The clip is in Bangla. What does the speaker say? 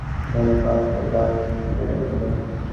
কখনো বা দাঁত দিয়া দংশন করিয়া সোনার পাতের উপর দাগ করিয়া দিল।